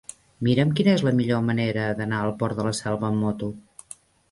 Mira'm quina és la millor manera d'anar al Port de la Selva amb moto.